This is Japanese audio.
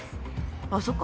あそっか。